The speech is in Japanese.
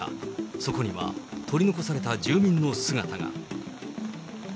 そこには取り残された住民の姿が。